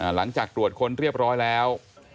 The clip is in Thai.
หลังจากตรวจค้นเรียบร้อยแล้ว